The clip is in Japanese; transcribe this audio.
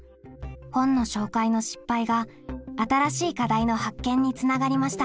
本の紹介の失敗が新しい課題の発見につながりました。